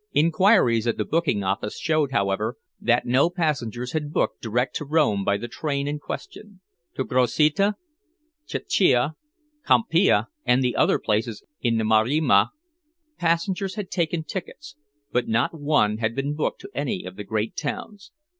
Inquiries at the booking office showed, however, that no passengers had booked direct to Rome by the train in question. To Grossetto, Cecina, Campiglia, and the other places in the Maremma, passengers had taken tickets, but not one had been booked to any of the great towns.